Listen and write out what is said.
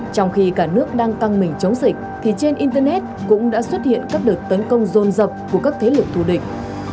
trong khi cả nước đang căng mình chống dịch thì trên internet cũng đã xuất hiện các đợt tấn công rôn rập của các thế lực thù địch